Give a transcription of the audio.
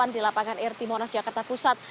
di lapangan irti monas jakarta pusat